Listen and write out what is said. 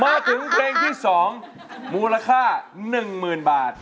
มาถึงเพลงที่๒มูลค่า๑๐๐๐บาท